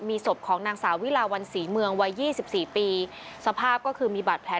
มีศพของนางสาวิลาวันศรีเมืองวัยยี่สิบสี่ปีสภาพก็คือมีบาดแผล